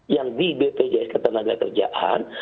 yang di bpjs ketenagakerjaan